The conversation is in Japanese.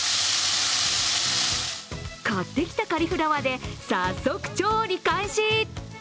買ってきたカリフラワーで早速調理開始。